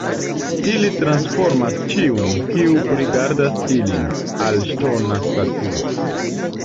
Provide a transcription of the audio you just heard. Ili transformas ĉiun, kiu rigardas ilin, al ŝtona statuo.